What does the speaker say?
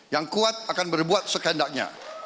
yang kuat akan berbuat sekendaknya